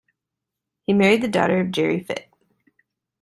He married the daughter of Gerry Fitt.